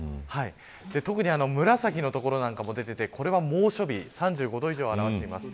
特に紫の所なんかも出ていてこれは猛暑日３５度以上を表しています。